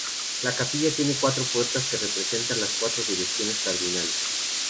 La capilla tiene cuatro puertas, que representan las cuatro direcciones cardinales.